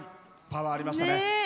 パワーありましたね。